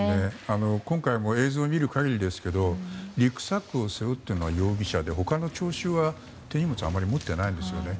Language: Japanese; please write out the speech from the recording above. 今回も映像を見る限りですけどリュックサックを背負っているのは容疑者で他の聴衆は、あまり手荷物を持っていないんですよね。